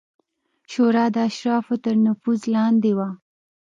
شورا د اشرافو تر نفوذ لاندې وه